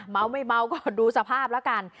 เมาไม่เมาก็ดูสภาพแล้วกัน